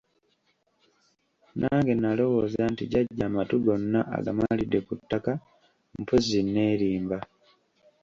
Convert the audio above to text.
Nange nalowooza nti jjajja amatu gonna agamalidde ku ttaka, mpozzi neerimba.